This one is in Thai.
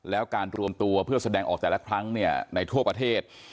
แล้วการรวมตัวเพื่อแสดงออกแต่ละครั้งในทั่วประเทศ